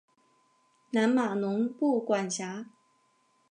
南马农布管辖。